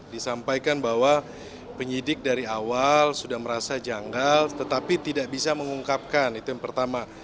disampaikan bahwa penyidik dari awal sudah merasa janggal tetapi tidak bisa mengungkapkan itu yang pertama